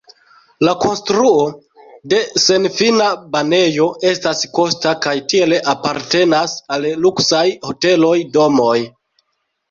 La konstruo de senfina banejo estas kosta kaj tiel apartenas al luksaj hoteloj, domoj.